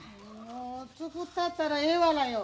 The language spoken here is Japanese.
作ったったらええわらよ。